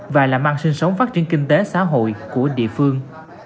và làm ăn sinh sống phát triển kinh tế xã hội của địa phương